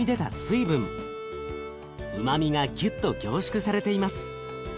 うまみがぎゅっと凝縮されています。